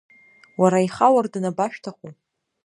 Уара аихауардын абашәҭаху?